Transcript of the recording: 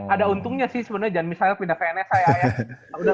ada untungnya sih sebenernya jan misalnya pindah ke enesa ya